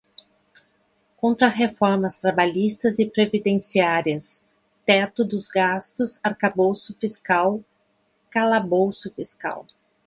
Contrarreformas trabalhista e previdenciária, teto dos gastos, arcabouço fiscal, calabouço fiscal